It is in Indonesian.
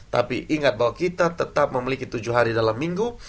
tapi ingat bahwa kita tetap memiliki tujuh hari dalam minggu